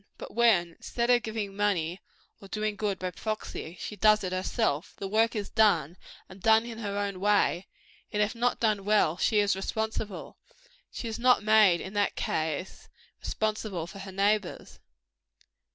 But when, instead of giving money or doing good by proxy, she does it herself, the work is done, and done in her own way: and if not done well, she is responsible. She is not made, in that case, responsible for her neighbors.